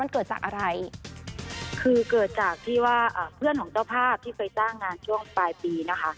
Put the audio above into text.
เกิดจากอะไรคือเกิดจากที่ว่าเพื่อนของเจ้าภาพที่เคยจ้างงานช่วงปลายปีนะคะ